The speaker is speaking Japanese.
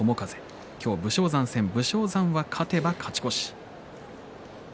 今日は武将山戦武将山は今日勝てば勝ち越し。